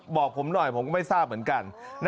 บอกผมหน่อยผมก็ไม่ทราบเหมือนกัน